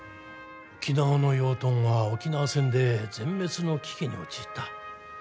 沖縄の養豚は沖縄戦で全滅の危機に陥った。